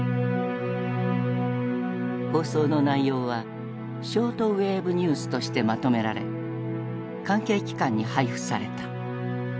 放送の内容は「ショートウェーブニュース」としてまとめられ関係機関に配布された。